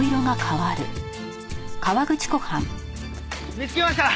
見つけました！